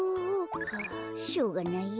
はあしょうがないや。